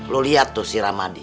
lo lihat tuh si ramadi